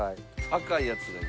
赤いやつがいい？